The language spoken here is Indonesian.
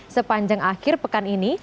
sepanjang akhir pekan ini